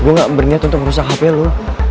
gue gak berniat untuk merusak hp lo